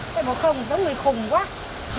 thấy bộ không giống người khùng quá